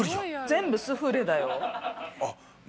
全部スフレだよ。